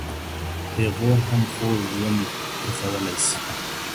پيغور هم خوږ ژوند تريخولای سي.